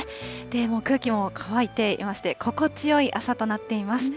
もう空気も乾いていまして、心地よい朝となっています。